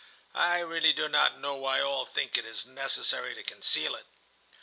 I really do not know why all think it necessary to conceal it.